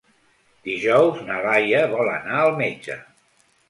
Dijous na Laia vol anar al metge.